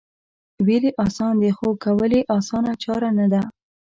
وېل یې اسان دي خو کول یې اسانه چاره نه ده